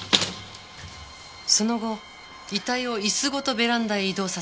その後遺体を椅子ごとベランダへ移動させた。